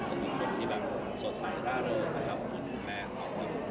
มันคือคนที่แบบสดใสร่าเริ่มนะครับคุณแม่ของคุณ